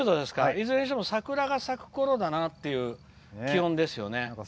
いずれにしても桜が咲くころだなという気温ですよね。